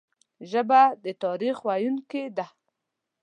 ژبه د تاریخ ویونکي ده